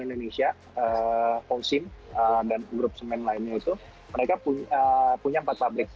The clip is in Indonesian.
indonesia polsim dan grup semen lainnya itu mereka punya empat pabrik